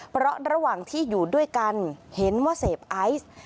เพราะระหว่างที่อยู่ด้วยกันเห็นว่าเสพไอซ์